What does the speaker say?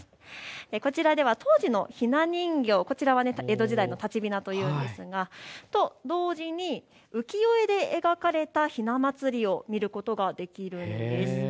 こちらでは当時のひな人形、江戸時代の立雛というんですがそれと同時に浮世絵で描かれたひな祭りを見ることができるんです。